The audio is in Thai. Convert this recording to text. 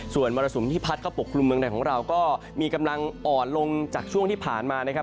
ส่วนมรสุมที่พัดเข้าปกกลุ่มเมืองไทยของเราก็มีกำลังอ่อนลงจากช่วงที่ผ่านมานะครับ